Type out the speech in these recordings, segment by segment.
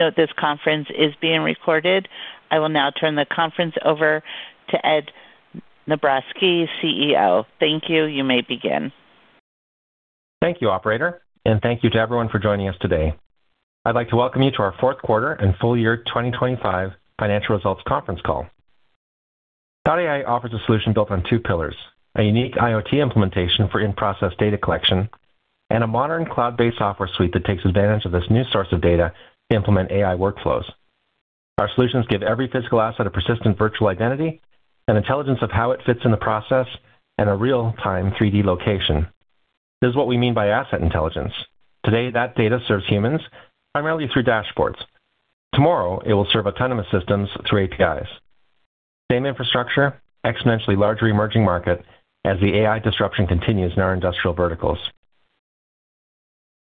Note this conference is being recorded. I will now turn the conference over to Ed Nabrotzky, CEO. Thank you. You may begin. Thank you, operator, and thank you to everyone for joining us today. I'd like to welcome you to our fourth quarter and full year 2025 financial results conference call. Dot Ai offers a solution built on two pillars: a unique IoT implementation for in-process data collection and a modern cloud-based software suite that takes advantage of this new source of data to implement AI workflows. Our solutions give every physical asset a persistent virtual identity, an intelligence of how it fits in the process, and a real-time 3D location. This is what we mean by asset intelligence. Today, that data serves humans primarily through dashboards. Tomorrow, it will serve autonomous systems through APIs. Same infrastructure, exponentially larger emerging market as the AI disruption continues in our industrial verticals.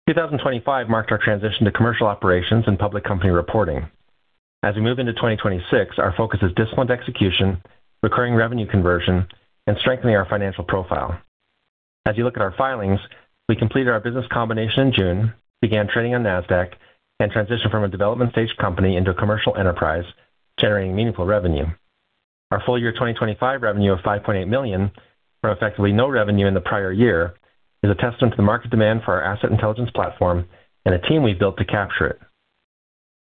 2025 marked our transition to commercial operations and public company reporting. As we move into 2026, our focus is disciplined execution, recurring revenue conversion, and strengthening our financial profile. As you look at our filings, we completed our business combination in June, began trading on Nasdaq, and transitioned from a development-stage company into a commercial enterprise, generating meaningful revenue. Our full year 2025 revenue of $5.8 million from effectively no revenue in the prior year is a testament to the market demand for our asset intelligence platform and the team we've built to capture it.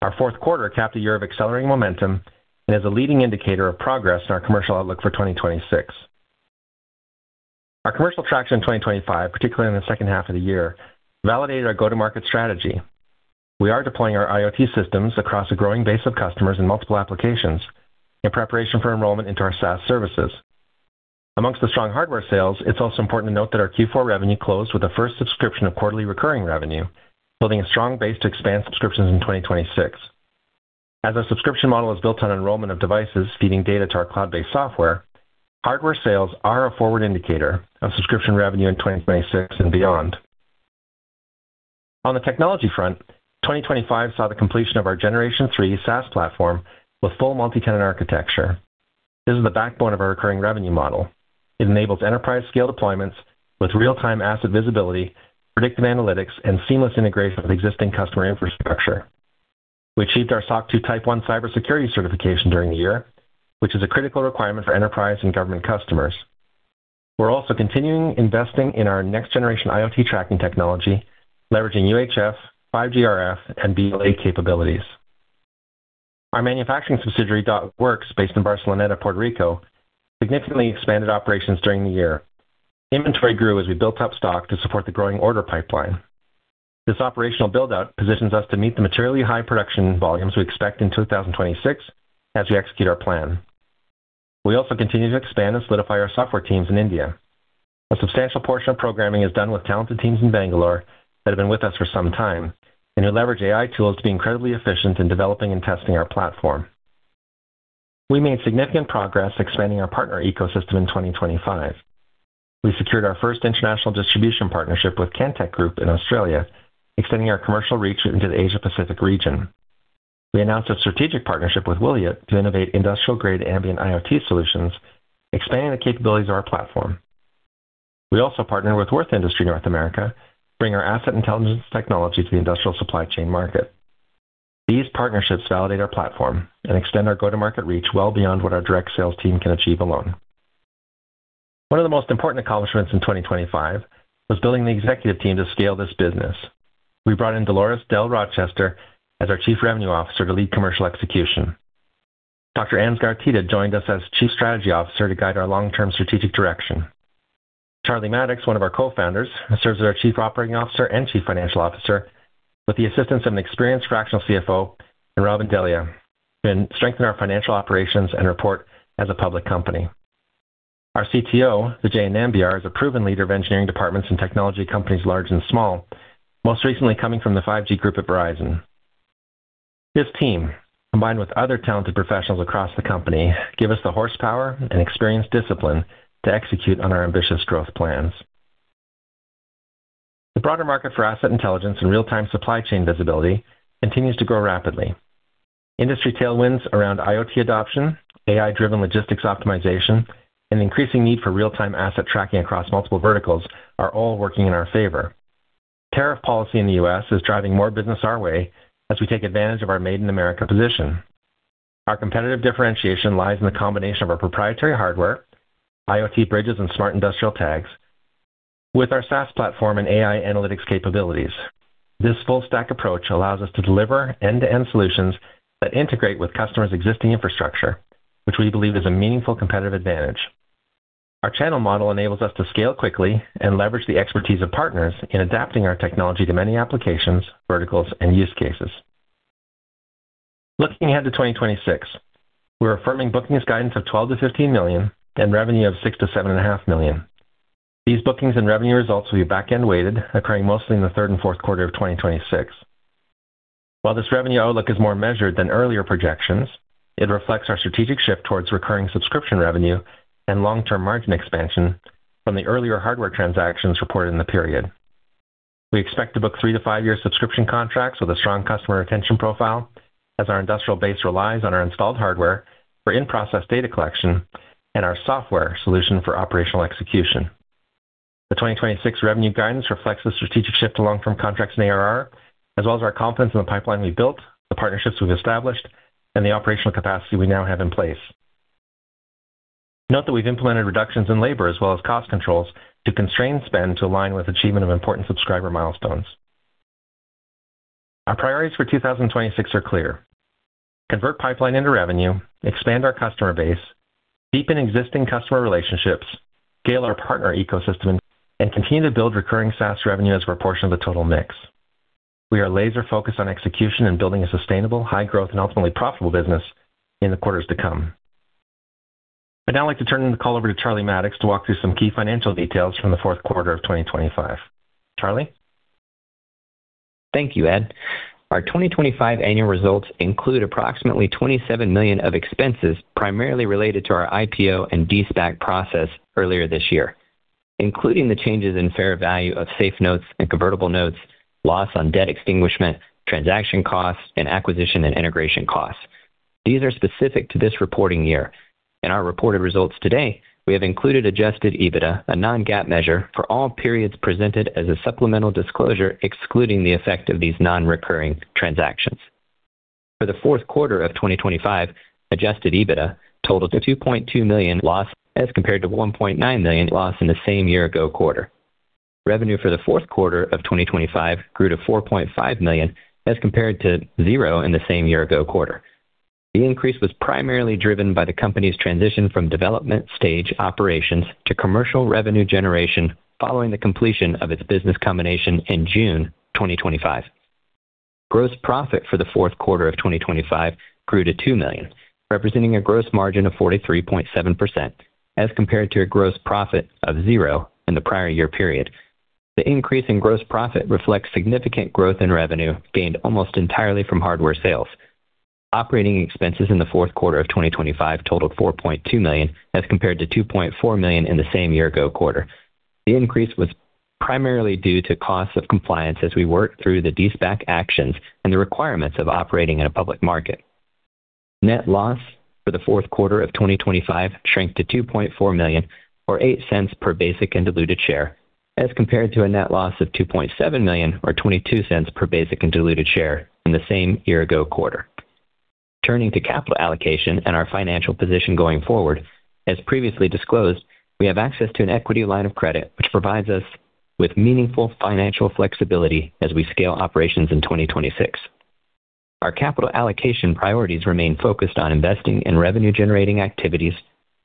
Our fourth quarter capped a year of accelerating momentum and is a leading indicator of progress in our commercial outlook for 2026. Our commercial traction in 2025, particularly in the second half of the year, validated our go-to-market strategy. We are deploying our IoT systems across a growing base of customers in multiple applications in preparation for enrollment into our SaaS services. Amongst the strong hardware sales, it's also important to note that our Q4 revenue closed with the first subscription of quarterly recurring revenue, building a strong base to expand subscriptions in 2026. As our subscription model is built on enrollment of devices feeding data to our cloud-based software, hardware sales are a forward indicator of subscription revenue in 2026 and beyond. On the technology front, 2025 saw the completion of our generation three SaaS platform with full multi-tenant architecture. This is the backbone of our recurring revenue model. It enables enterprise-scale deployments with real-time asset visibility, predictive analytics, and seamless integration with existing customer infrastructure. We achieved our SOC 2 Type 1 cybersecurity certification during the year, which is a critical requirement for enterprise and government customers. We're also continuing investing in our next generation IoT tracking technology, leveraging UHF, 5G RF, and BLE capabilities. Our manufacturing subsidiary, Dot Works, based in Barceloneta, Puerto Rico, significantly expanded operations during the year. Inventory grew as we built up stock to support the growing order pipeline. This operational build-out positions us to meet the materially high production volumes we expect in 2026 as we execute our plan. We also continue to expand and solidify our software teams in India. A substantial portion of programming is done with talented teams in Bangalore that have been with us for some time and who leverage AI tools to be incredibly efficient in developing and testing our platform. We made significant progress expanding our partner ecosystem in 2025. We secured our first international distribution partnership with CanTech Group in Australia, extending our commercial reach into the Asia Pacific region. We announced a strategic partnership with Wiliot to innovate industrial-grade ambient IoT solutions, expanding the capabilities of our platform. We also partnered with Würth Industry North America to bring our asset intelligence technology to the industrial supply chain market. These partnerships validate our platform and extend our go-to-market reach well beyond what our direct sales team can achieve alone. One of the most important accomplishments in 2025 was building the executive team to scale this business. We brought in Delores "Del" Rochester as our Chief Revenue Officer to lead commercial execution. Dr. Ansgar Thiede joined us as Chief Strategy Officer to guide our long-term strategic direction. Charles Maddox, one of our co-founders, serves as our Chief Operating Officer and Chief Financial Officer with the assistance of an experienced fractional CFO in Robyn D'Elia to strengthen our financial operations and report as a public company. Our CTO, Vijay Nambiar, is a proven leader of engineering departments and technology companies large and small, most recently coming from the 5G group at Verizon. This team, combined with other talented professionals across the company, give us the horsepower and experience discipline to execute on our ambitious growth plans. The broader market for asset intelligence and real-time supply chain visibility continues to grow rapidly. Industry tailwinds around IoT adoption, AI-driven logistics optimization, and increasing need for real-time asset tracking across multiple verticals are all working in our favor. Tariff policy in the U.S. is driving more business our way as we take advantage of our Made in America position. Our competitive differentiation lies in the combination of our proprietary hardware, IoT bridges, and Smart Industrial TAGS with our SaaS platform and AI analytics capabilities. This full stack approach allows us to deliver end-to-end solutions that integrate with customers' existing infrastructure, which we believe is a meaningful competitive advantage. Our channel model enables us to scale quickly and leverage the expertise of partners in adapting our technology to many applications, verticals, and use cases. Looking ahead to 2026, we're affirming bookings guidance of $12 million-$15 million and revenue of $6 million-$7.5 million. These bookings and revenue results will be back-end weighted, occurring mostly in the third and fourth quarter of 2026. While this revenue outlook is more measured than earlier projections, it reflects our strategic shift towards recurring subscription revenue and long-term margin expansion from the earlier hardware transactions reported in the period. We expect to book three to five year subscription contracts with a strong customer retention profile as our industrial base relies on our installed hardware for in-process data collection and our software solution for operational execution. The 2026 revenue guidance reflects the strategic shift to long-term contracts in ARR, as well as our confidence in the pipeline we've built, the partnerships we've established, and the operational capacity we now have in place. Note that we've implemented reductions in labor as well as cost controls to constrain spend to align with achievement of important subscriber milestones. Our priorities for 2026 are clear: convert pipeline into revenue, expand our customer base, deepen existing customer relationships, scale our partner ecosystem, and continue to build recurring SaaS revenue as a proportion of the total mix. We are laser-focused on execution and building a sustainable, high-growth and ultimately profitable business in the quarters to come. I'd now like to turn the call over to Charles Maddox to walk through some key financial details from the fourth quarter of 2025. Charlie? Thank you, Ed. Our 2025 annual results include approximately $27 million of expenses primarily related to our IPO and de-SPAC process earlier this year, including the changes in fair value of SAFE notes and convertible notes, loss on debt extinguishment, transaction costs, and acquisition and integration costs. These are specific to this reporting year. In our reported results today, we have included adjusted EBITDA, a non-GAAP measure, for all periods presented as a supplemental disclosure, excluding the effect of these non-recurring transactions. For the fourth quarter of 2025, adjusted EBITDA totaled a $2.2 million loss as compared to $1.9 million loss in the same year-ago quarter. Revenue for the fourth quarter of 2025 grew to $4.5 million as compared to 0 in the same year-ago quarter. The increase was primarily driven by the company's transition from development stage operations to commercial revenue generation following the completion of its business combination in June 2025. Gross profit for the fourth quarter of 2025 grew to $2 million, representing a gross margin of 43.7%, as compared to a gross profit of $0 in the prior year period. The increase in gross profit reflects significant growth in revenue gained almost entirely from hardware sales. Operating expenses in the fourth quarter of 2025 totaled $4.2 million, as compared to $2.4 million in the same year ago quarter. The increase was primarily due to cost of compliance as we worked through the de-SPAC actions and the requirements of operating in a public market. Net loss for the fourth quarter of 2025 shrank to $2.4 million, or $0.08 per basic and diluted share, as compared to a net loss of $2.7 million, or $0.22 per basic and diluted share in the same year-ago quarter. Turning to capital allocation and our financial position going forward, as previously disclosed, we have access to an equity line of credit which provides us with meaningful financial flexibility as we scale operations in 2026. Our capital allocation priorities remain focused on investing in revenue-generating activities,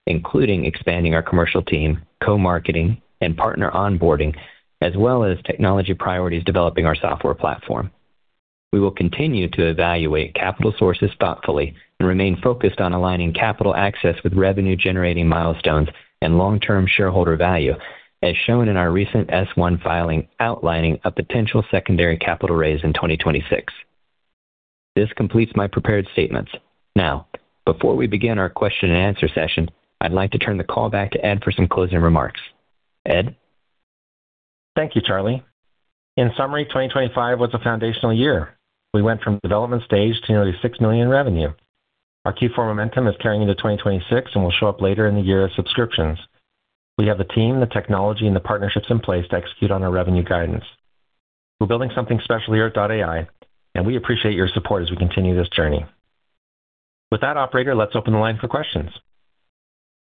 including expanding our commercial team, co-marketing, and partner onboarding, as well as technology priorities developing our software platform. We will continue to evaluate capital sources thoughtfully and remain focused on aligning capital access with revenue-generating milestones and long-term shareholder value, as shown in our recent S-1 filing outlining a potential secondary capital raise in 2026. This completes my prepared statements. Now, before we begin our question and answer session, I'd like to turn the call back to Ed for some closing remarks. Ed? Thank you, Charlie. In summary, 2025 was a foundational year. We went from development stage to nearly $6 million in revenue. Our Q4 momentum is carrying into 2026 and will show up later in the year as subscriptions. We have the team, the technology, and the partnerships in place to execute on our revenue guidance. We're building something special here at Dot Ai, and we appreciate your support as we continue this journey. With that, operator, let's open the line for questions.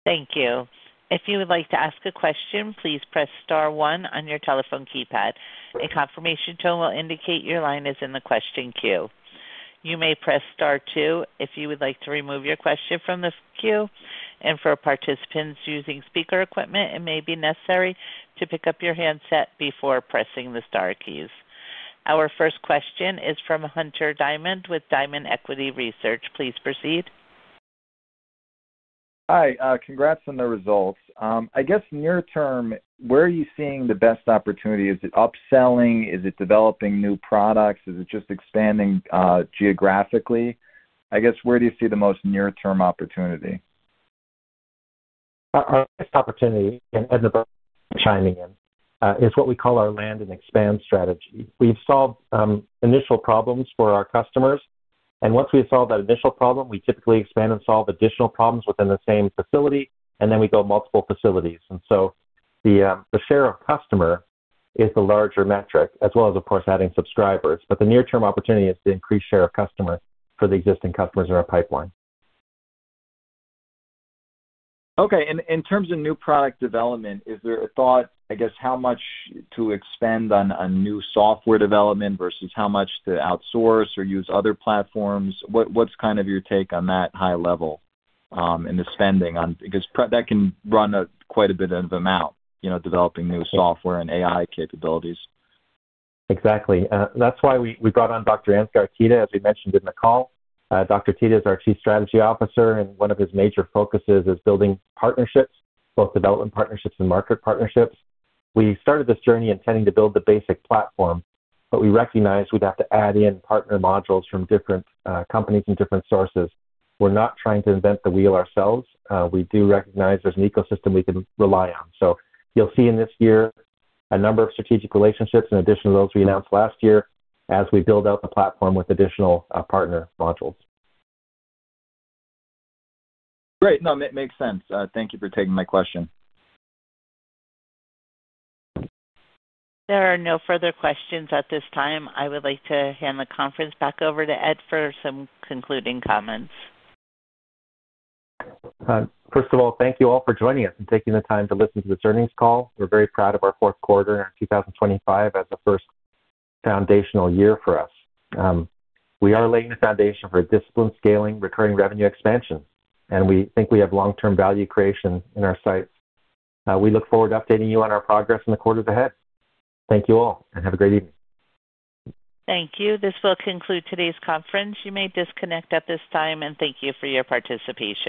Thank you. If you would like to ask a question, please press star one on your telephone keypad. A confirmation tone will indicate your line is in the question queue. You may press star two if you would like to remove your question from this queue. For participants using speaker equipment, it may be necessary to pick up your handset before pressing the star keys. Our first question is from Hunter Diamond with Diamond Equity Research. Please proceed. Hi, congrats on the results. I guess near term, where are you seeing the best opportunity? Is it upselling? Is it developing new products? Is it just expanding, geographically? I guess where do you see the most near-term opportunity? Our best opportunity, Ed will probably chime in, is what we call our land and expand strategy. We've solved initial problems for our customers. Once we've solved that initial problem, we typically expand and solve additional problems within the same facility. Then we go multiple facilities. So the share of customer is the larger metric, as well as, of course, adding subscribers. The near-term opportunity is the increased share of customers for the existing customers in our pipeline. Okay. In terms of new product development, is there a thought, I guess, how much to expend on a new software development versus how much to outsource or use other platforms? What's kind of your take on that high level, in the spending on, because that can run quite a bit of amount, you know, developing new software and AI capabilities. Exactly. That's why we brought on Dr. Ansgar Thiede, as we mentioned in the call. Dr. Thiede is our Chief Strategy Officer, and one of his major focuses is building partnerships, both development partnerships and market partnerships. We started this journey intending to build the basic platform, but we recognized we'd have to add in partner modules from different companies and different sources. We're not trying to invent the wheel ourselves. We do recognize there's an ecosystem we can rely on. You'll see in this year a number of strategic relationships in addition to those we announced last year as we build out the platform with additional partner modules. Great. No, it makes sense. Thank you for taking my question. There are no further questions at this time. I would like to hand the conference back over to Ed for some concluding comments. First of all, thank you all for joining us and taking the time to listen to this earnings call. We're very proud of our fourth quarter in our 2025 as the first foundational year for us. We are laying the foundation for disciplined scaling, recurring revenue expansion, and we think we have long-term value creation in our sights. We look forward to updating you on our progress in the quarters ahead. Thank you all, and have a great evening. Thank you. This will conclude today's conference. You may disconnect at this time, and thank you for your participation.